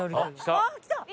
あっ来た！